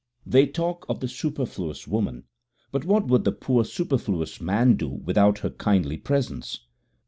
They talk of the superfluous woman, but what would the poor superfluous man do without her kindly presence?